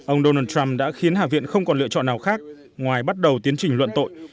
ông donald trump đã khiến hạ viện không còn lựa chọn nào khác ngoài bắt đầu tiến trình luận tội